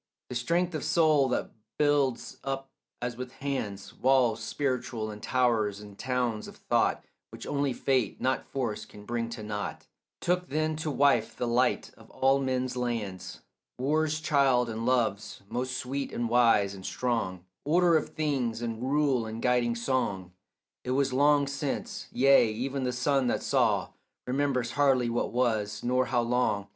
The strength of soul that builds up as with hands Walls spiritual and towers and towns of thought Which only fate, not force, can bring to nought, Took then to wife the light of all men's lands, War's child and love's, most sweet and wise and strong, Order of things and rule and guiding song. It was long since: yea, even the sun that saw Remembers hardly what was, nor how long.